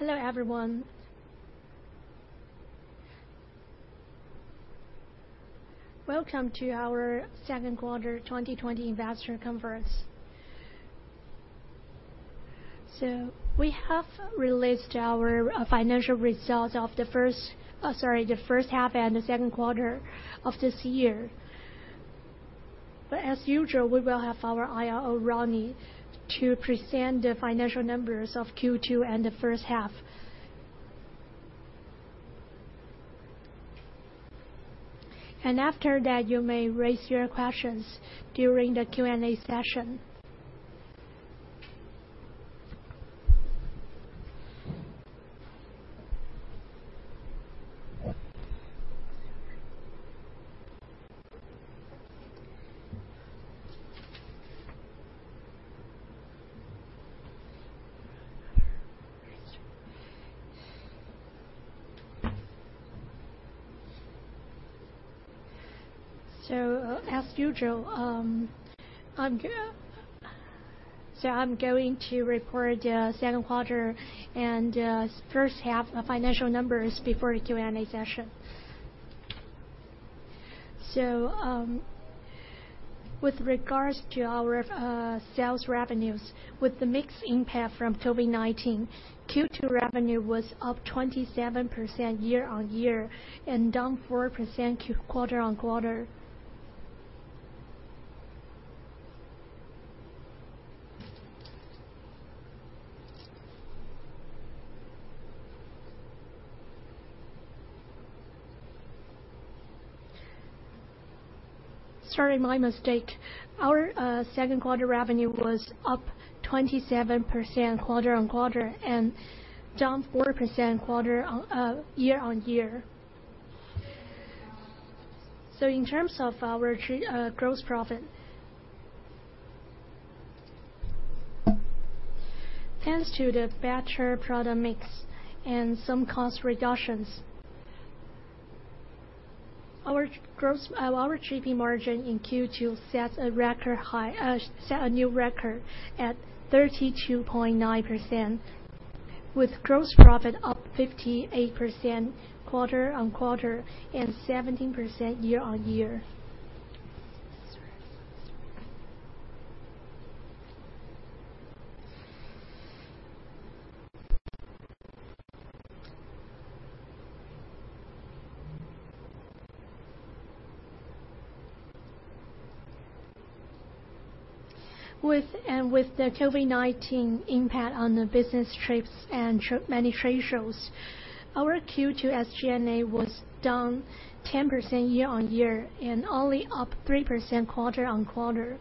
Hello everyone. Welcome to our second quarter 2020 investor conference. We have released our financial results of the first half and the second quarter of this year. As usual, we will have our IR, Rodney, to present the financial numbers of Q2 and the first half. After that, you may raise your questions during the Q&A session. As usual, I'm going to report the second quarter and first half financial numbers before the Q&A session. With regards to our sales revenues, with the mixed impact from COVID-19, Q2 revenue was up 27% year-on-year and down 4% quarter-on-quarter. Sorry, my mistake. Our second quarter revenue was up 27% quarter-on-quarter and down 4% year-on-year. In terms of our gross profit, thanks to the better product mix and some cost reductions, our GP margin in Q2 set a new record at 32.9%, with gross profit up 58% quarter-on-quarter and 17% year-on-year. With the COVID-19 impact on the business trips and many trade shows, our Q2 SG&A was down 10% year-on-year and only up 3% quarter-on-quarter.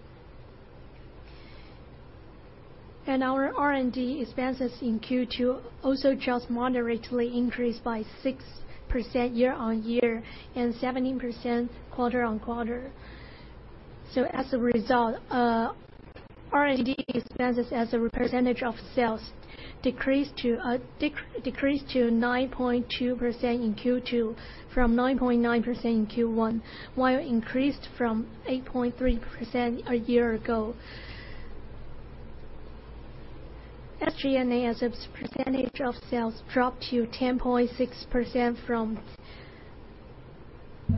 Our R&D expenses in Q2 also just moderately increased by 6% year-on-year and 17% quarter-on-quarter. As a result, R&D expenses as a percentage of sales decreased to 9.2% in Q2 from 9.9% in Q1, while increased from 8.3% a year ago. SG&A as a percentage of sales dropped to 10.6% from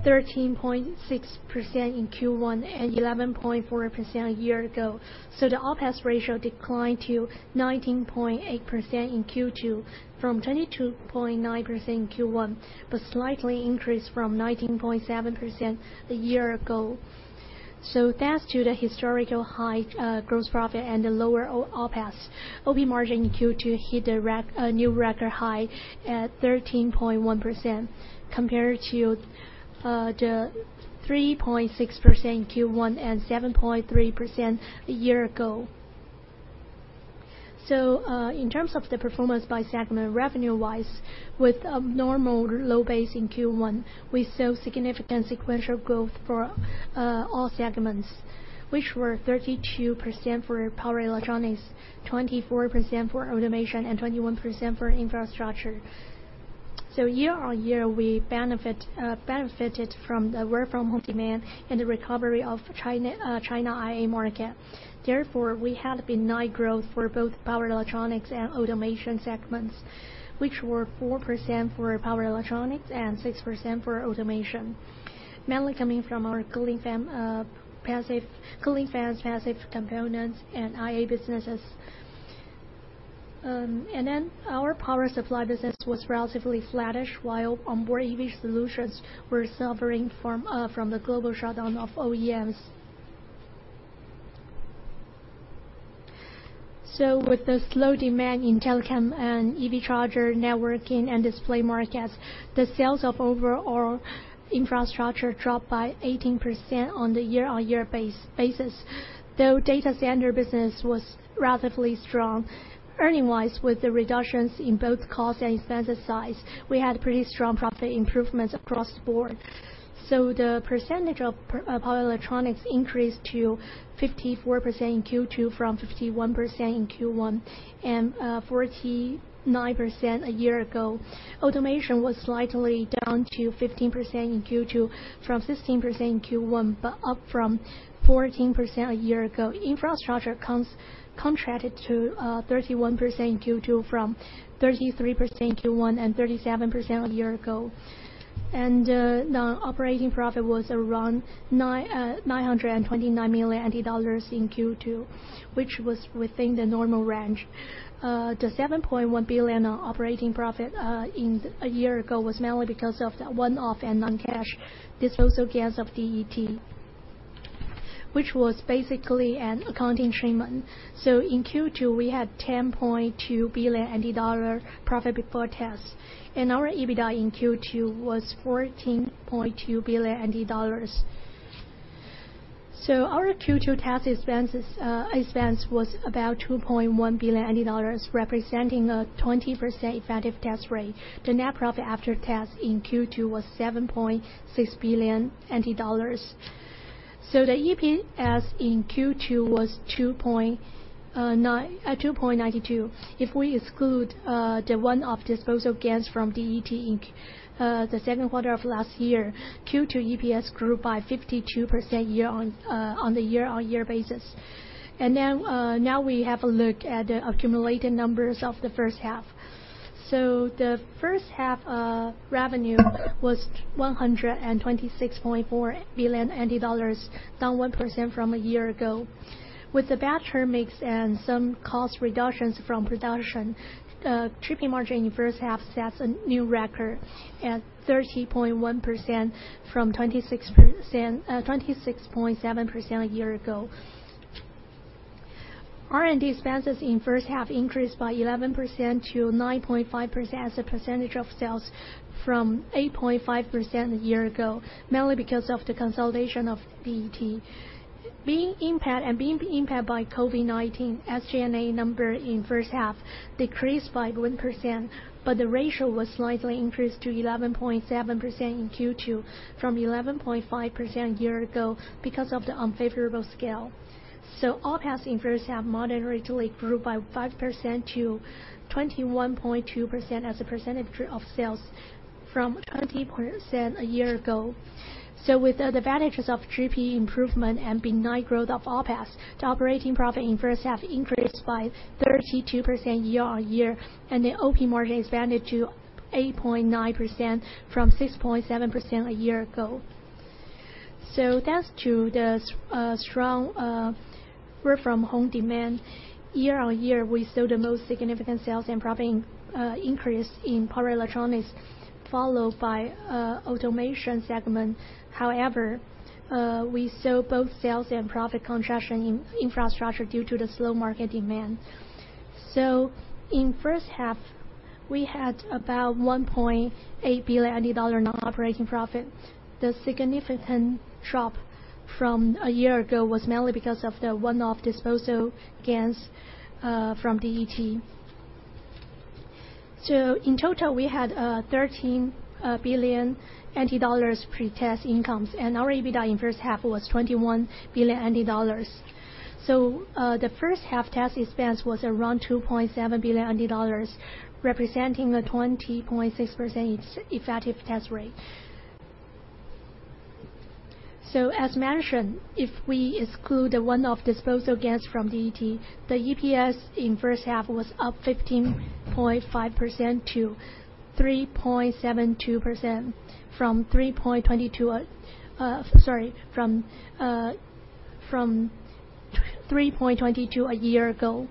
13.6% in Q1 and 11.4% a year ago. The OPEX ratio declined to 19.8% in Q2 from 22.9% in Q1, but slightly increased from 19.7% a year ago. Thanks to the historical high gross profit and the lower OPEX, OP margin in Q2 hit a new record high at 13.1%, compared to the 3.6% in Q1 and 7.3% a year ago. In terms of the performance by segment revenue-wise, with a normal low base in Q1, we saw significant sequential growth for all segments, which were 32% for power electronics, 24% for Automation, and 21% for Infrastructure. Year-on-year, we benefited from the work from home demand and the recovery of China IA market. Therefore, we had benign growth for both power electronics and Automation segments, which were 4% for power electronics and 6% for Automation, mainly coming from our cooling fans, passive components, and IA businesses. Our power supply business was relatively flattish while onboard EV solutions were suffering from the global shutdown of OEMs. With the slow demand in telecom and EV charger networking and display markets, the sales of overall Infrastructure dropped by 18% on the year-on-year basis. Though data center business was relatively strong earning-wise with the reductions in both cost and expenses size, we had pretty strong profit improvements across the board. The percentage of power electronics increased to 54% in Q2 from 51% in Q1, and 49% a year ago. Automation was slightly down to 15% in Q2 from 16% in Q1, but up from 14% a year ago. Infrastructure contracted to 31% in Q2 from 33% in Q1 and 37% a year ago. The operating profit was around 929 million dollars in Q2, which was within the normal range. The 7.1 billion operating profit a year ago was mainly because of the one-off and non-cash disposal gains of DET, which was basically an accounting treatment. In Q2, we had 10.2 billion dollar profit before tax, and our EBITDA in Q2 was 14.2 billion. Our Q2 tax expense was about 2.1 billion, representing a 20% effective tax rate. The net profit after tax in Q2 was 7.6 billion. The EPS in Q2 was 2.92. If we exclude the one-off disposal gains from the DET, the second quarter of last year, Q2 EPS grew by 52% on the year-on-year basis. Now we have a look at the accumulated numbers of the first half. The first half revenue was 126.4 billion dollars, down 1% from a year ago. With the better mix and some cost reductions from production, the GP margin in first half sets a new record at 30.1% from 26.7% a year ago. R&D expenses in first half increased by 11% to 9.5% as a percentage of sales from 8.5% a year ago, mainly because of the consolidation of DET. Being impacted by COVID-19, SG&A number in first half decreased by 1%, but the ratio was slightly increased to 11.7% in Q2 from 11.5% a year ago because of the unfavorable scale. OPEX in first half moderately grew by 5% to 21.2% as a percentage of sales from 20% a year ago. With the advantages of margin improvement and benign growth of OPEX, the operating profit in first half increased by 32% year-on-year, and the OP margin expanded to 8.9% from 6.7% a year ago. That's to the strong work from home demand. Year-on-year, we saw the most significant sales and profit increase in power electronics followed by Automation segment. However, we saw both sales and profit contraction in Infrastructure due to the slow market demand. In first half, we had about 1.8 billion dollar non-operating profit. The significant drop from a year ago was mainly because of the one-off disposal gains from DET. In total, we had 13 billion dollars pre-tax incomes, and our EBITDA in first half was 21 billion dollars. The first half tax expense was around 2.7 billion dollars, representing a 20.6% effective tax rate. As mentioned, if we exclude the one-off disposal gains from DET, the EPS in first half was up 15.5% to 3.72% from 3.22 a year ago.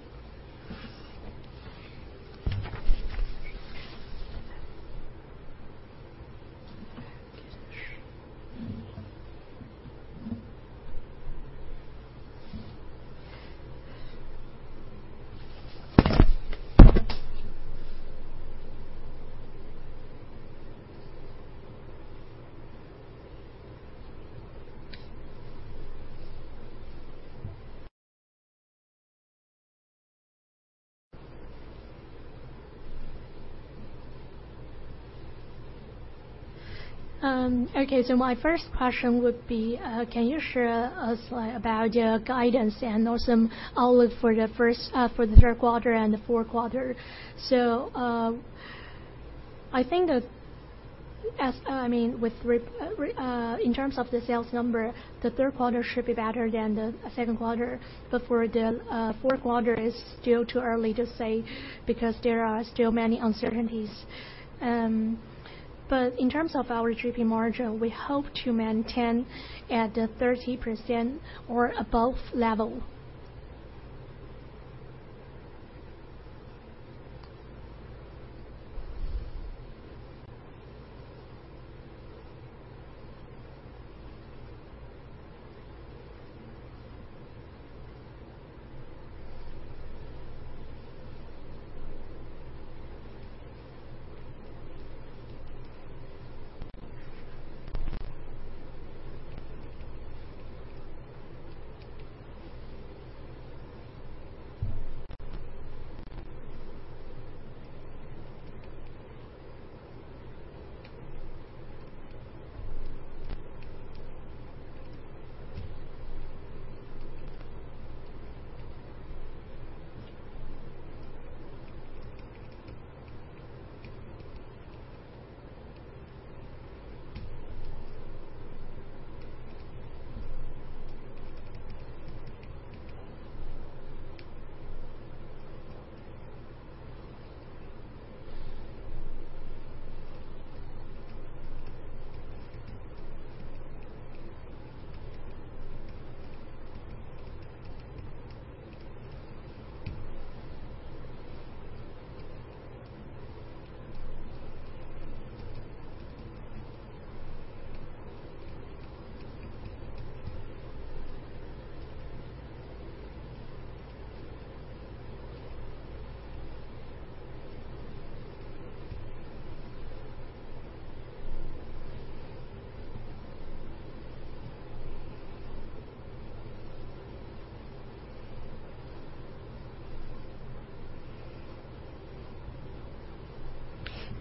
Okay, my first question would be, can you share us about your guidance and also outlook for the third quarter and the fourth quarter? I think in terms of the sales number, the third quarter should be better than the second quarter, but for the fourth quarter, it's still too early to say because there are still many uncertainties. In terms of our GP margin, we hope to maintain at the 30% or above level.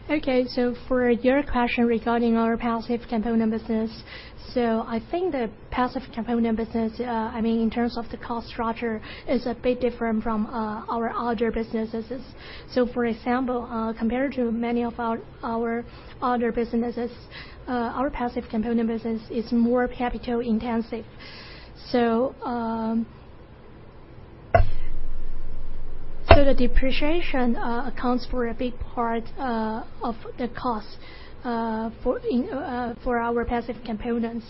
Okay. For your question regarding our passive component business. I think the passive component business, in terms of the cost structure, is a bit different from our other businesses. For example, compared to many of our other businesses, our passive component business is more capital intensive. The depreciation accounts for a big part of the cost for our passive components.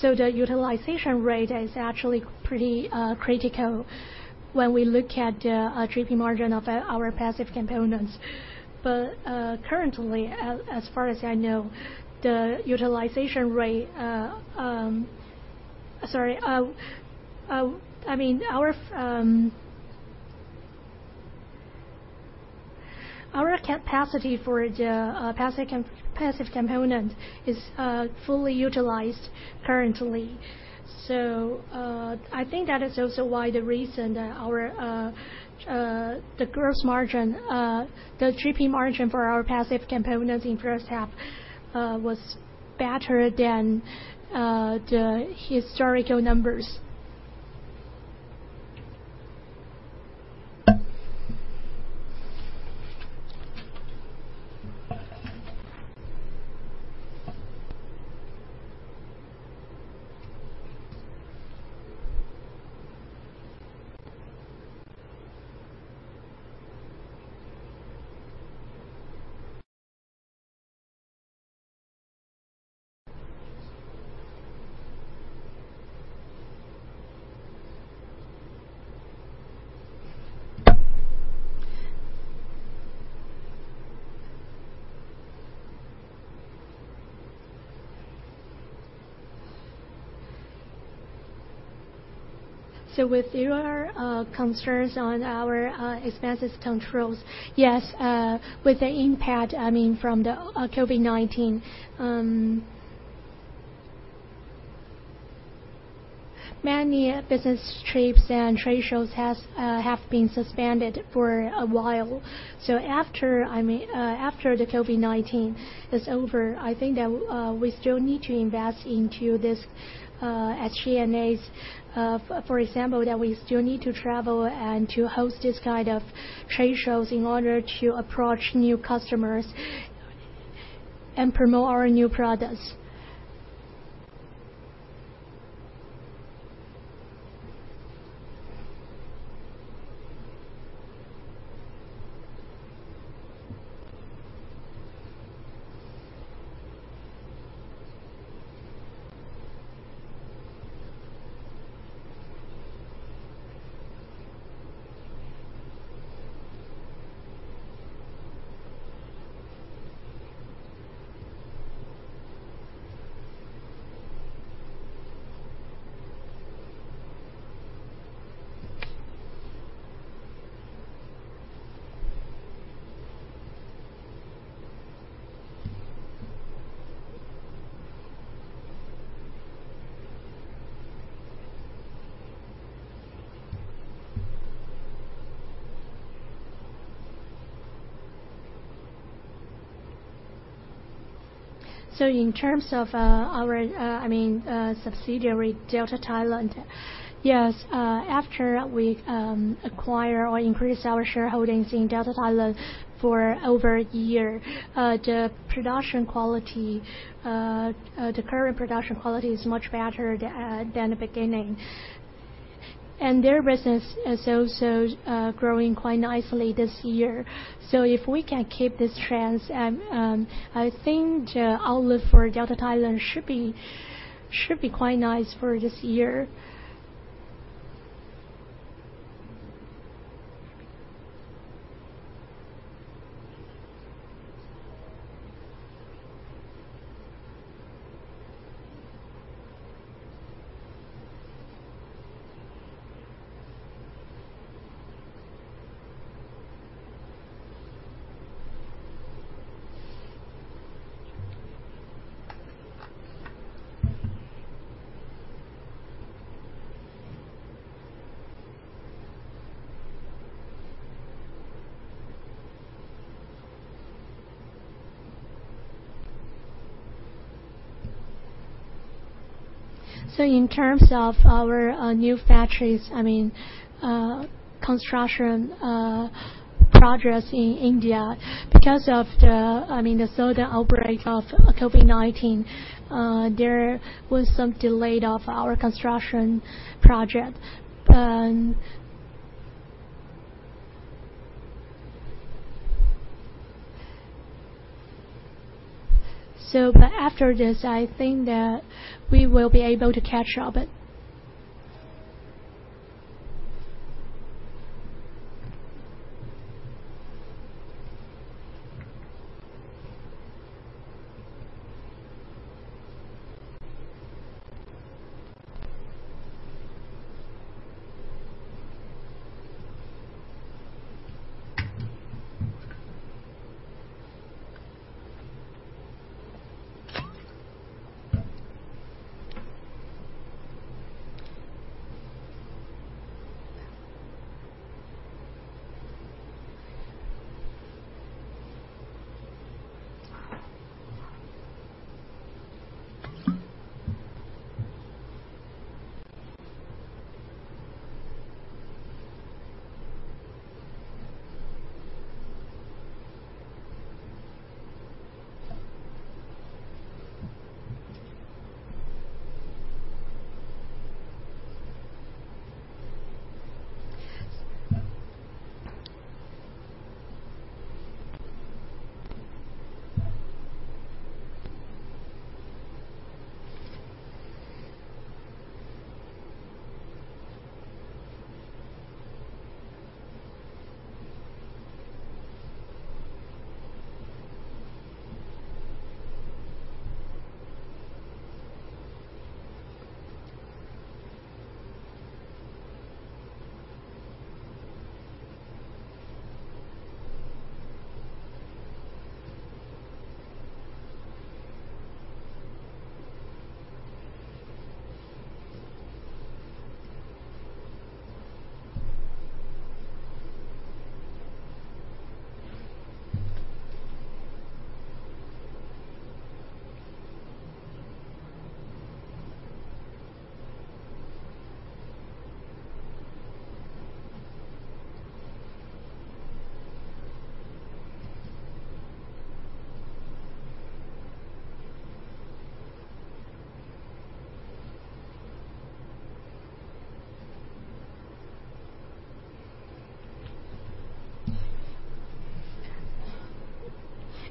The utilization rate is actually pretty critical when we look at the GP margin of our passive components. Currently, as far as I know, our capacity for the passive components is fully utilized currently. I think that is also the reason the gross margin, the GP margin for our passive components in the first half was better than the historical numbers. With your concerns on our expenses controls, yes, with the impact from the COVID-19, many business trips and trade shows have been suspended for a while. After the COVID-19 is over, I think that we still need to invest into this SG&A. For example, we still need to travel and to host these kind of trade shows in order to approach new customers and promote our new products. In terms of our subsidiary, Delta Thailand, yes. After we acquire or increase our shareholdings in Delta Thailand for over a year, the current production quality is much better than the beginning. Their business is also growing quite nicely this year. If we can keep this trend, I think the outlook for Delta Thailand should be quite nice for this year. In terms of our new factories, construction progress in India, because of the sudden outbreak of COVID-19, there was some delay of our construction project. After this, I think that we will be able to catch up.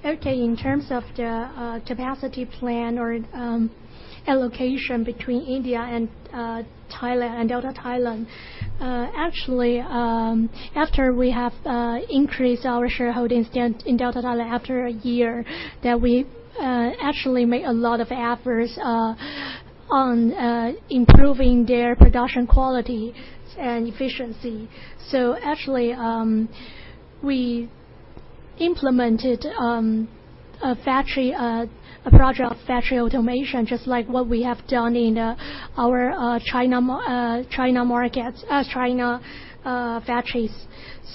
Okay, in terms of the capacity plan or allocation between India and Delta Thailand. Actually, after we have increased our shareholdings in Delta Thailand, after a year, we actually made a lot of efforts on improving their production quality and efficiency. Actually, we implemented a project of factory automation, just like what we have done in our China factories.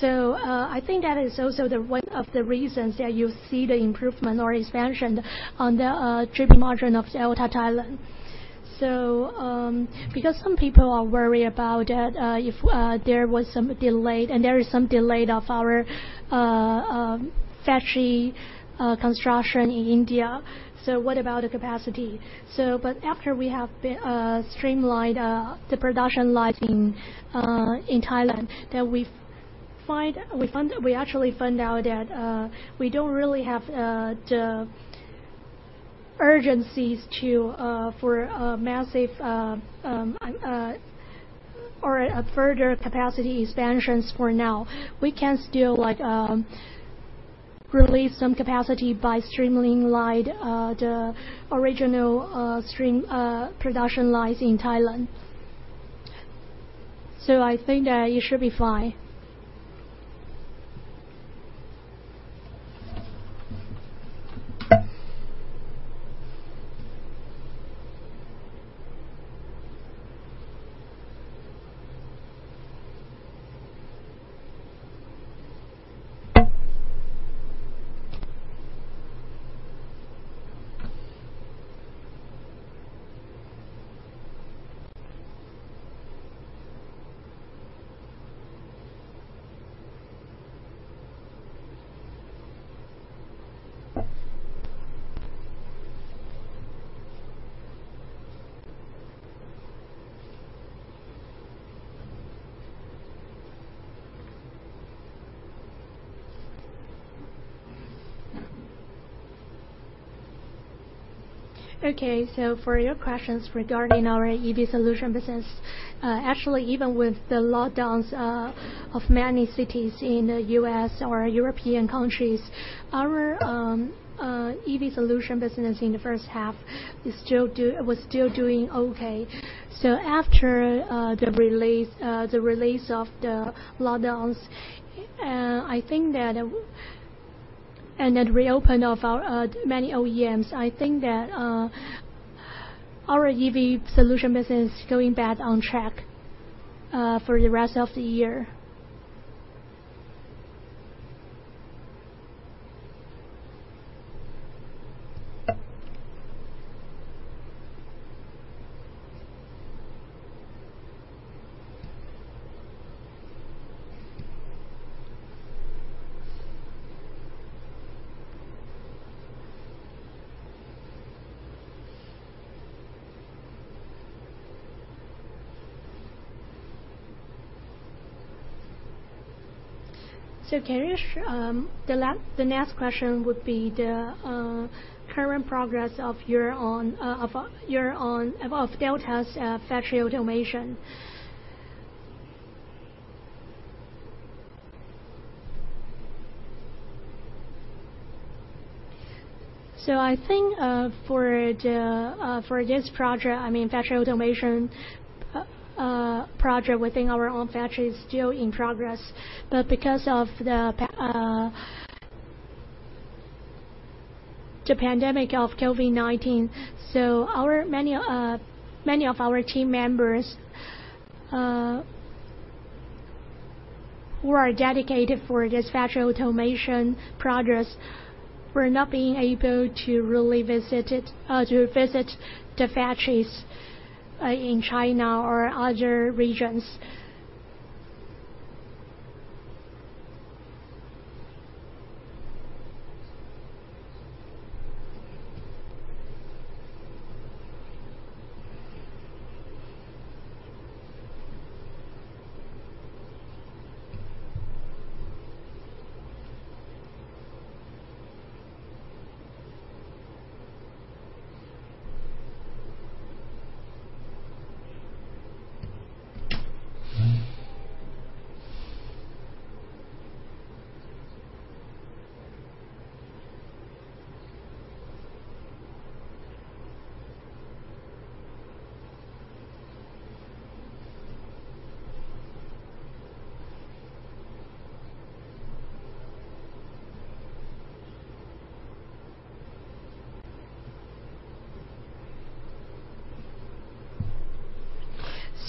I think that is also one of the reasons that you see the improvement or expansion on the gross margin of Delta Thailand. Because some people are worried about that, there was some delay, and there is some delay of our factory construction in India. What about the capacity? After we have streamlined the production line in Thailand, we actually found out that we don't really have the urgencies for massive or further capacity expansions for now. We can still release some capacity by streamlining the original production lines in Thailand. I think that it should be fine. Okay. For your questions regarding our EV solution business, actually, even with the lockdowns of many cities in the U.S. or European countries, our EV solution business in the first half was still doing okay. After the release of the lockdowns and the reopen of many OEMs, I think that our EV solution business is going back on track for the rest of the year. Can you share, the next question would be the current progress of Delta's factory automation. I think for this project, factory automation project within our own factory is still in progress. Because of the pandemic of COVID-19, many of our team members who are dedicated for this factory automation progress, were not being able to visit the factories in China or other regions.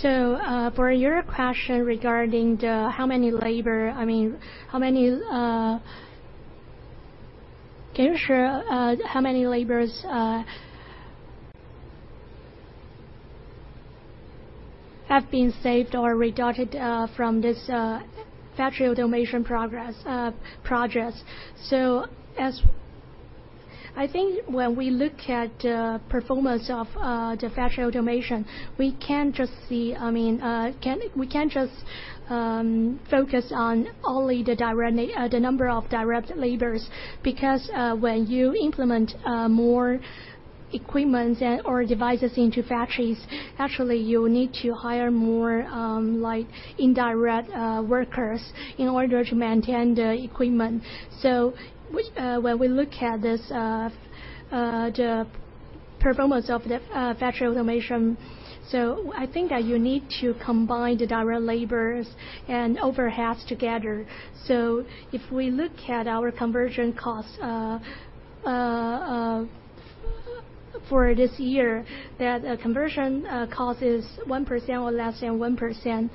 For your question regarding how many labor have been saved or redacted from this factory automation projects. When we look at the performance of the factory automation, we can't just focus on only the number of direct labors because when you implement more equipment or devices into factories, actually, you need to hire more indirect workers in order to maintain the equipment. When we look at the performance of the factory automation, I think that you need to combine the direct labors and overheads together. If we look at our conversion costs for this year, that conversion cost is 1% or less than 1%.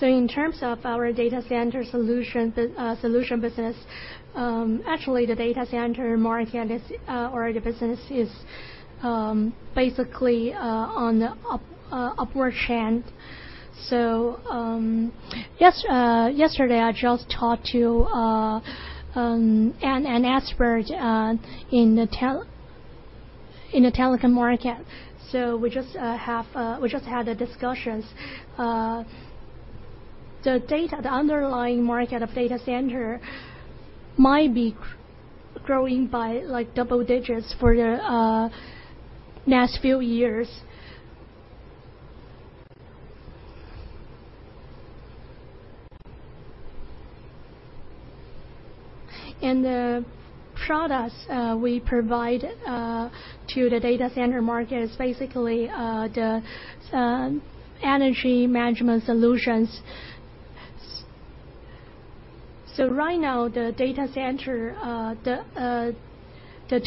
In terms of our data center solution business, actually the data center market or the business is basically on the upward trend. Yesterday, I just talked to an expert in the telecom market. We just had discussions. The underlying market of data center might be growing by double digits for the next few years. The products we provide to the data center market is basically the energy management solutions. Right now, the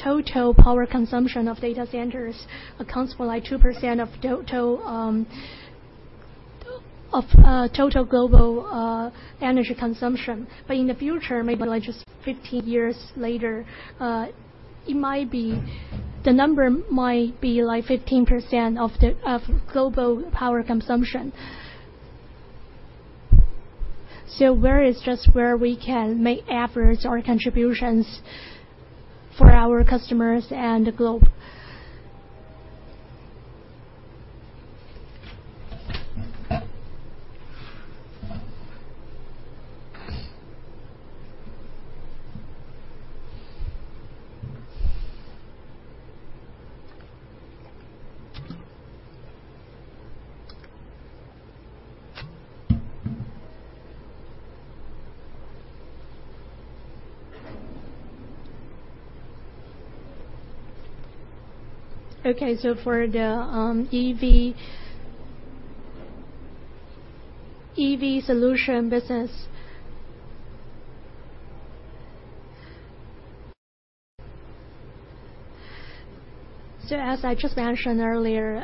total power consumption of data centers accounts for 2% of total global energy consumption. In the future, maybe just 15 years later, the number might be 15% of global power consumption. Where is just where we can make efforts or contributions for our customers and the globe. Okay. For the EV solution business. As I just mentioned earlier,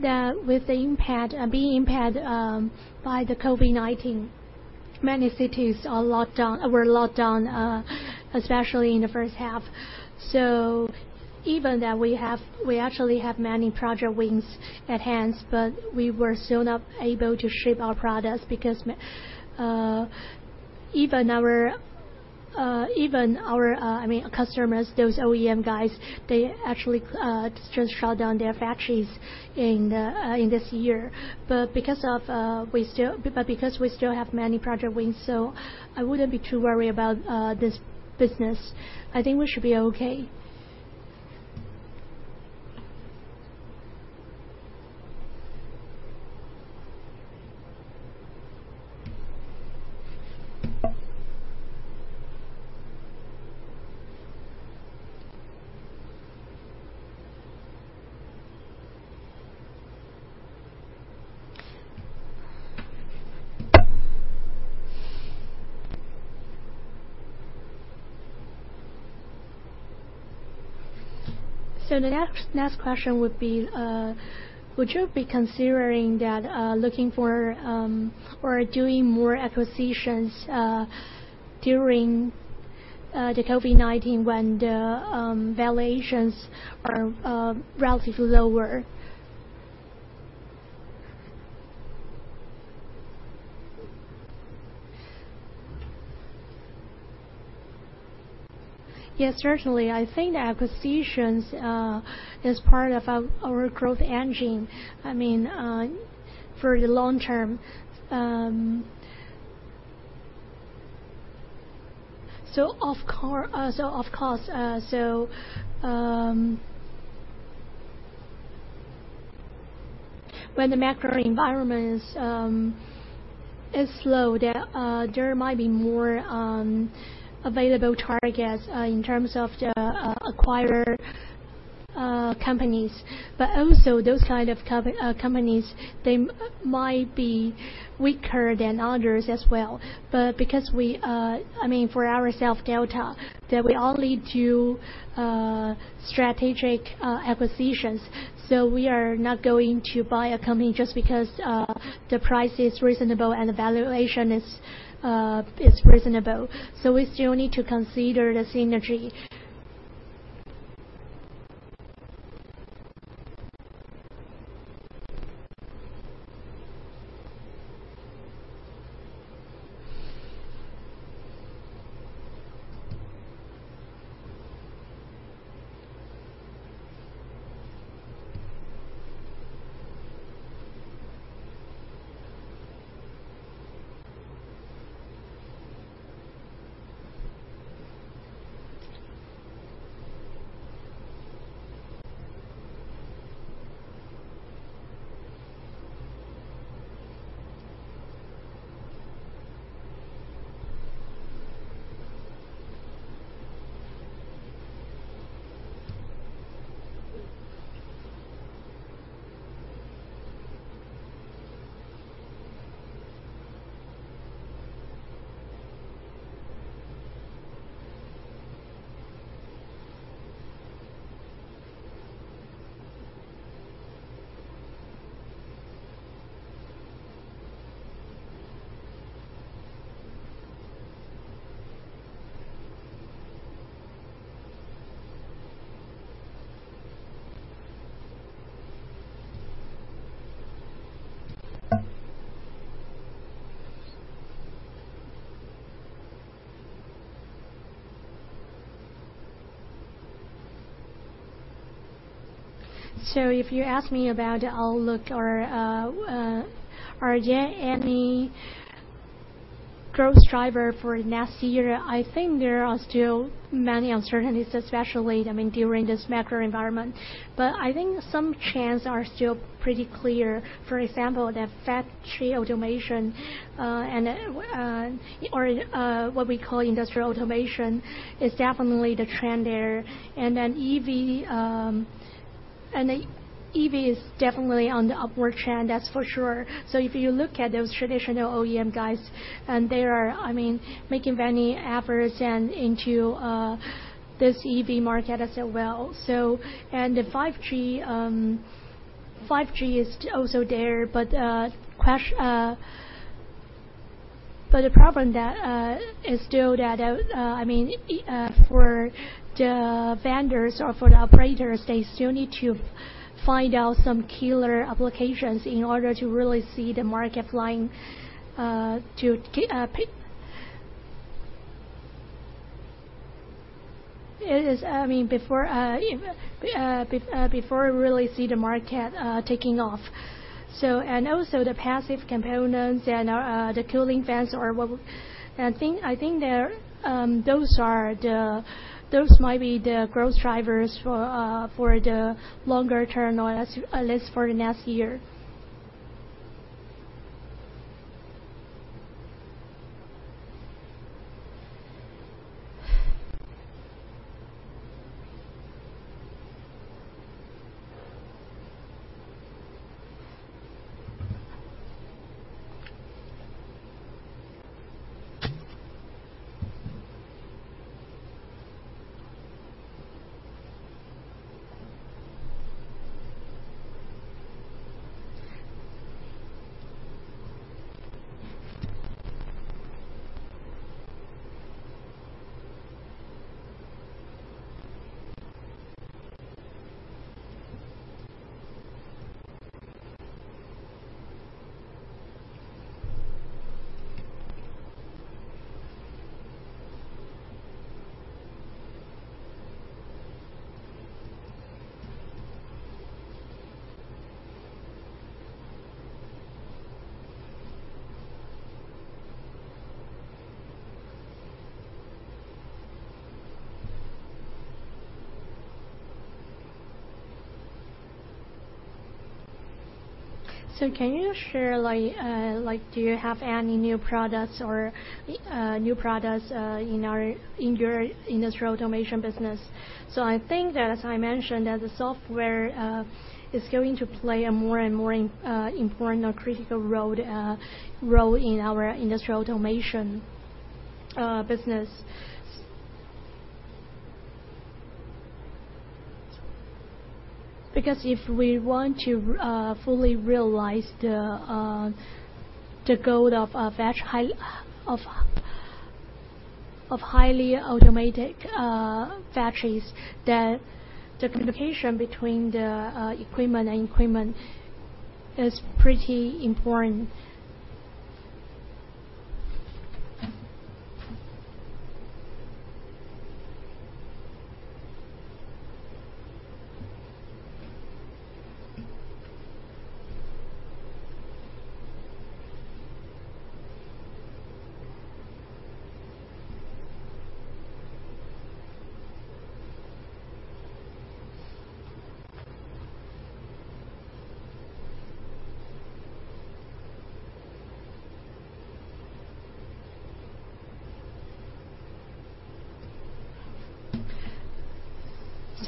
that with being impacted by the COVID-19, many cities were locked down, especially in the first half. Even though we actually have many project wins at hand, but we were still not able to ship our products because even our customers, those OEM guys, they actually just shut down their factories in this year. Because we still have many project wins, I wouldn't be too worried about this business. I think we should be okay. The next question would be, would you be considering looking for or doing more acquisitions during the COVID-19 when the valuations are relatively lower? Yes, certainly. I think the acquisitions is part of our growth engine, for the long term. Of course when the macro environment is slow, there might be more available targets in terms of the acquire companies, but also those kind of companies, they might be weaker than others as well. For ourself, Delta, that we only do strategic acquisitions. We are not going to buy a company just because the price is reasonable and the valuation is reasonable. We still need to consider the synergy. If you ask me about the outlook or are there any growth driver for next year, I think there are still many uncertainties, especially during this macro environment. I think some trends are still pretty clear. For example, the factory automation, or what we call industrial automation, is definitely the trend there. EV is definitely on the upward trend, that's for sure. If you look at those traditional OEM guys, they are making many efforts into this EV market as well. The 5G is also there, the problem that is still that for the vendors or for the operators, they still need to find out some killer applications in order to really see the market flying, before we really see the market taking off. Also the passive components and the cooling fans. I think those might be the growth drivers for the longer term, or at least for the next year. Can you share, do you have any new products in your industrial automation business? I think that, as I mentioned, that the software is going to play a more and more important or critical role in our industrial automation business. Because if we want to fully realize the goal of highly automated factories, the communication between the equipment and equipment is pretty important.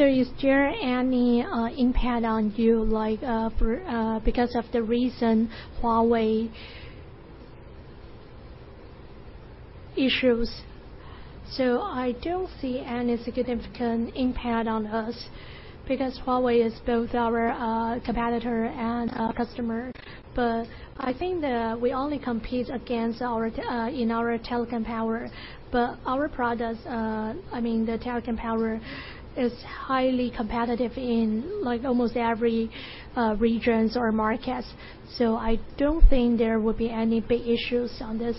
Is there any impact on you because of the recent Huawei issues? I don't see any significant impact on us, because Huawei is both our competitor and our customer. I think that we only compete against in our telecom power. Our products, the telecom power, is highly competitive in almost every regions or markets. I don't think there will be any big issues on this.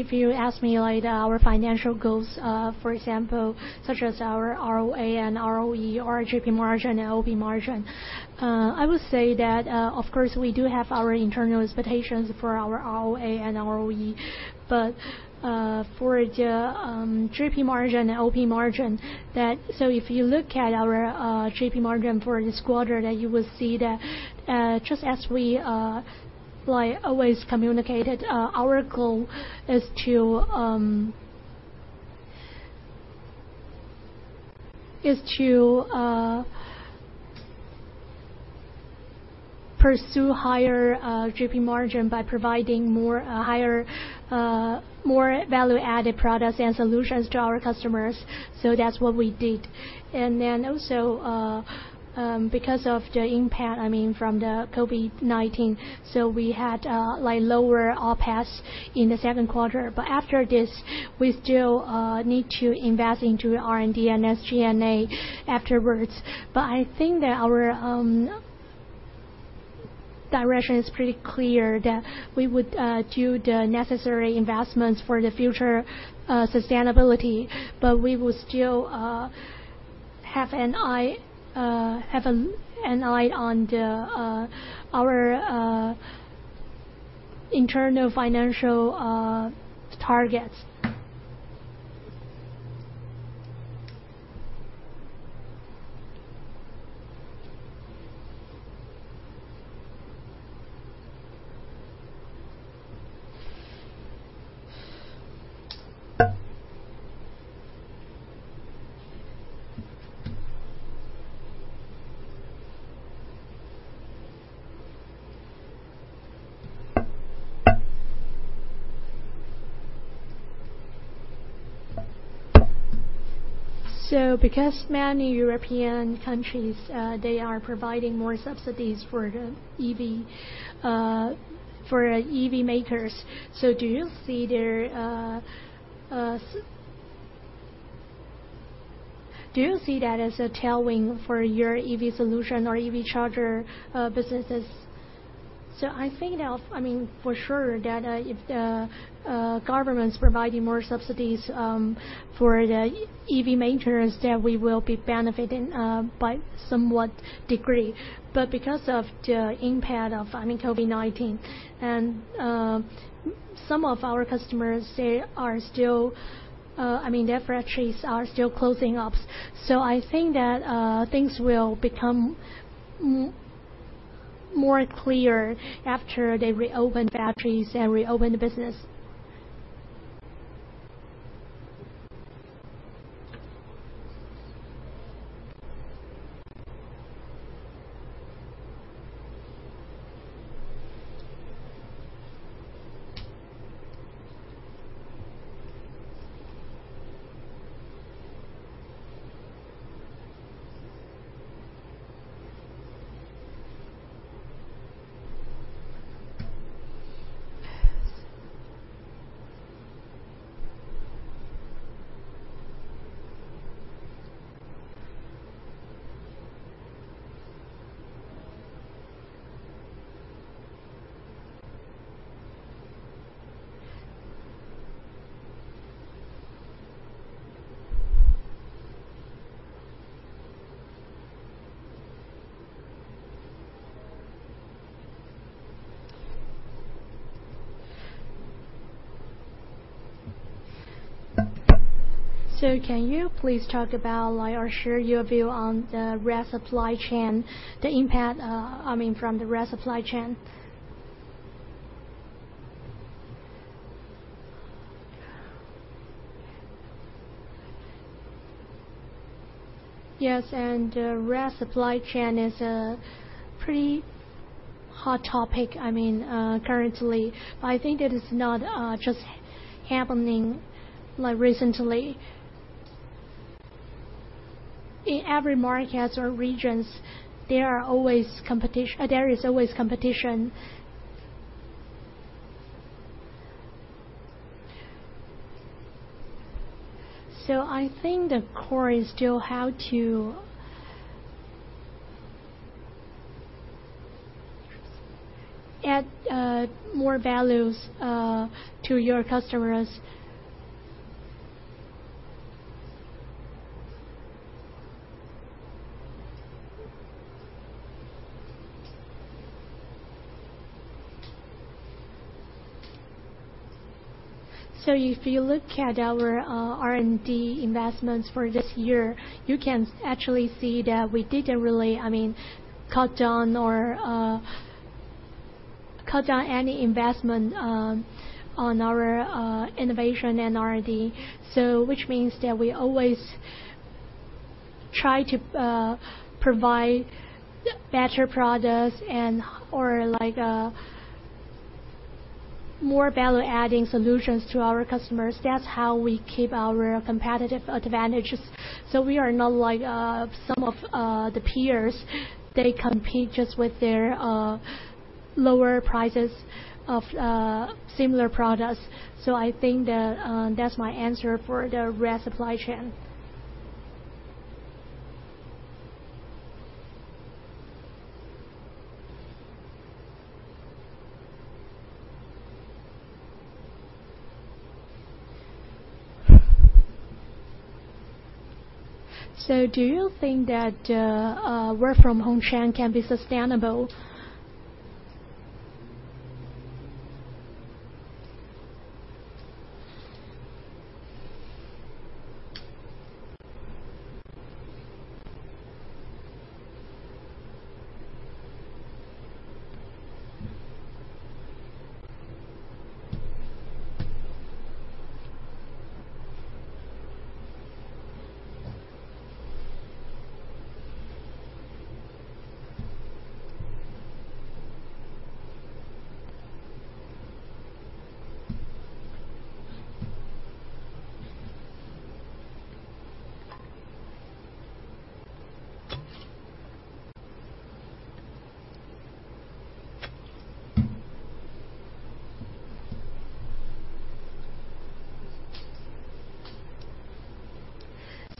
If you ask me our financial goals, for example, such as our ROA and ROE or GP margin and OP margin, I would say that, of course, we do have our internal expectations for our ROA and ROE, but for the GP margin and OP margin, if you look at our GP margin for this quarter, you will see that just as we always communicated, our goal is to pursue higher GP margin by providing more value-added products and solutions to our customers. That's what we did. Also because of the impact from the COVID-19, we had lower OPEX in the second quarter. After this, we still need to invest into R&D and SG&A afterwards. I think that our direction is pretty clear, that we would do the necessary investments for the future sustainability, we will still have an eye on our internal financial targets. Because many European countries, they are providing more subsidies for EV makers, do you see that as a tailwind for your EV solution or EV charger businesses? I think for sure that if the government's providing more subsidies for the EV makers, that we will be benefiting by somewhat degree. Because of the impact of COVID-19, and some of our customers, their factories are still closing up. I think that things will become more clear after they reopen factories and reopen the business. Can you please talk about or share your view on the rare supply chain, the impact from the rare supply chain? Yes, rare supply chain is a pretty hot topic currently. I think that it's not just happening recently. In every markets or regions, there is always competition. I think the core is still how to add more values to your customers. If you look at our R&D investments for this year, you can actually see that we didn't really cut down any investment on our innovation and R&D. Which means that we always try to provide better products and/or more value-adding solutions to our customers. That's how we keep our competitive advantages. We are not like some of the peers. They compete just with their lower prices of similar products. I think that's my answer for the rare supply chain. Do you think that work from home trend can be sustainable?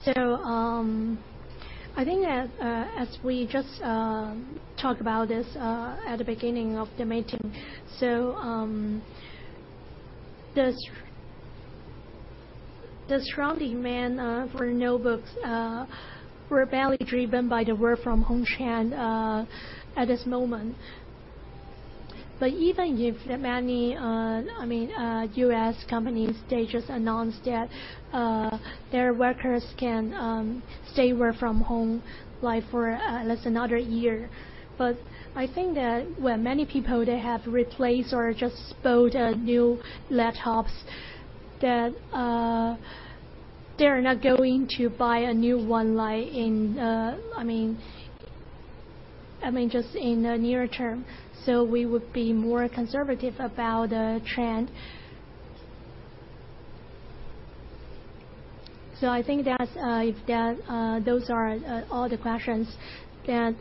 I think as we just talked about this at the beginning of the meeting, the strong demand for notebooks were mainly driven by the work from home trend at this moment. Even if many U.S. companies, they just announced that their workers can stay work from home for at least another year. I think that many people, they have replaced or just bought new laptops, that they're not going to buy a new one just in the near term. We would be more conservative about the trend. I think that those are all the questions that